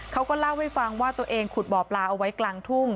เขาก็เล่าให้ฟังว่าตัวเองขุดบ่อปลาเอาไว้กลางทุ่ง